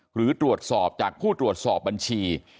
หรือตรวจสอบจากผู้ตรวจสอบบัญชี